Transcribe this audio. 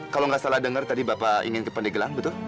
kalau gak salah denger tadi bapak ingin ke pandeglang betul